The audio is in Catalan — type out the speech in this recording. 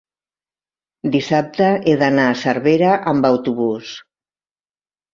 dissabte he d'anar a Cervera amb autobús.